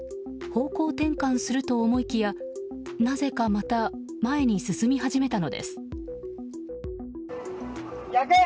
方向転換すると思いきやなぜかまた前に進み始めたのです。